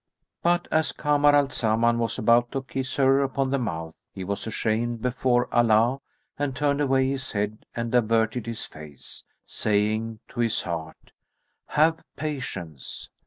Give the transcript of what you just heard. But, as Kamar al Zaman was about to kiss her upon the mouth, he was ashamed before Allah and turned away his head and averted his face, saying to his heart, "Have patience."